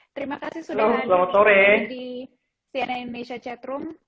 terima kasih sudah hadir di tni indonesia chatroom